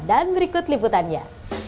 dan berikut liputannya